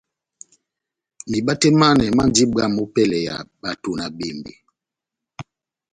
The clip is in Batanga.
Miba tɛh manɛ mandi bwamh opɛlɛ ya bato na bembe.